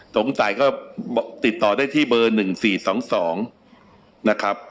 สงสัยก็ติดต่อได้ที่เบอร์๑๔๒๒นะครับ